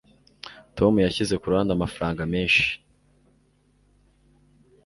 tom yashyize ku ruhande amafaranga menshi